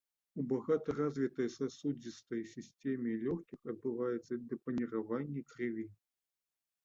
У багата развітой сасудзістай сістэме лёгкіх адбываецца дэпаніраванне крыві.